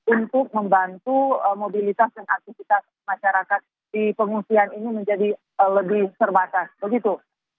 untuk membantu mobilitas dan aktivitas masyarakat di pengungsian ini menjadi lebih terbatas begitu